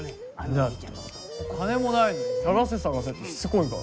だってお金もないのに探せ探せってしつこいから。